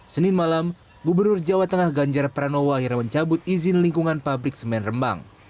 senin malam gubernur jawa tengah ganjar pranowo akhirnya mencabut izin lingkungan pabrik semen rembang